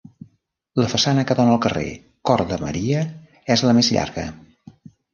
La façana que dóna al carrer Cor de Maria és la més llarga.